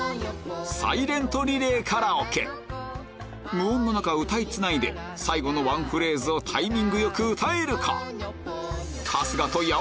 無音の中歌いつないで最後のワンフレーズをタイミングよく歌えるか？